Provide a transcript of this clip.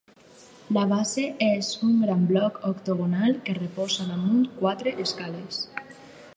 La base és un gran bloc octogonal que reposa damunt quatre escales.